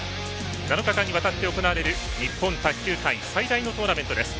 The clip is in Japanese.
７日間にわたって行われる日本卓球界最大のトーナメントです。